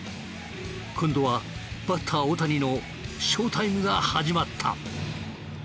今度はバッター大谷のショータイムが始まった。